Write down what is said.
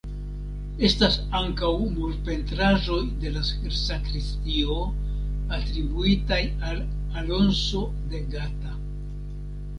Estas ankaŭ murpentraĵoj de la sakristio atribuitaj al Alonso de Gata.